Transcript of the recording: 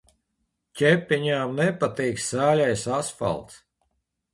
Ķepiņām nepatīk sāļais asfalts.